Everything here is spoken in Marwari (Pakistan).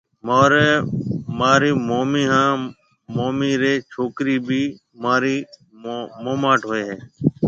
مهارِي مومِي هانَ موميَ رِي ڇوڪرِي ڀِي مهارِي موماٽ هوئيَ هيَ۔